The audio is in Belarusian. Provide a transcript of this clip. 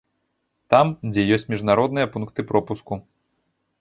Там, дзе ёсць міжнародныя пункты пропуску.